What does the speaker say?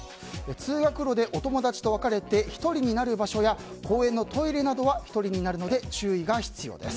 通学路でお友達と分かれて１人になる場所や公園のトイレなどは１人になるので注意が必要です。